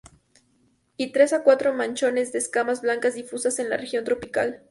Y tres a cuatro manchones de escamas blancas difusas en la región apical.